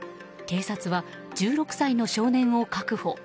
警察は１６歳の少年を確保。